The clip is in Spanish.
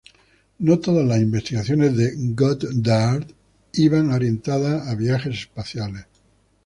No todas las investigaciones de Goddard iban orientadas a viajes espaciales.